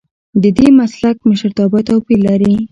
ددې مسلک مشرتابه توپیر لري.